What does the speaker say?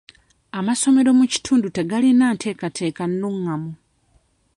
Amasomero mu kitundu tegalina nteekateeka nnungamu.